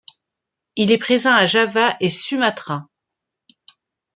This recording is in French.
Il est présent à Java et Sumatra.